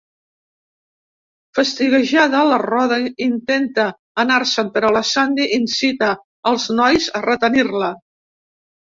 Fastiguejada, la Rhoda intenta anar-se'n, però la Sandy incita els nois a retenir-la.